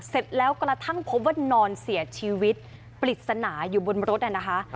เสร็จแล้วกระทั่งพบว่านอนเสียชีวิตปริศนาอยู่บนรถน่ะนะคะ